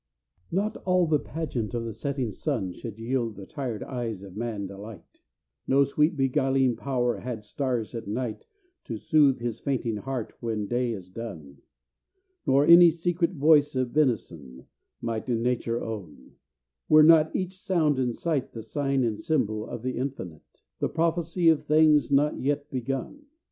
Not all the pageant of the setting sun Should yield the tired eyes of man delight, No sweet beguiling power had stars at night To soothe his fainting heart when day is done, Nor any secret voice of benison Might nature own, were not each sound and sight The sign and symbol of the infinite, The prophecy of things not yet begun.